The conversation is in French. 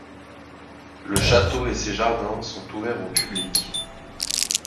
Le château et ses jardins sont ouverts au public.